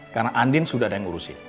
karena andin sudah ada yang urusin